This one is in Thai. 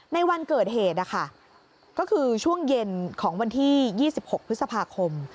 ในวันเกิดเหตุนะคะก็คือช่วงเย็นของวันที่๒๖พฤษภาคม